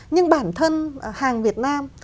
nhưng bản thân hàng việt nam